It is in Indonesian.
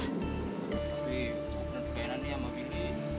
tapi gue bener bener ngani sama willy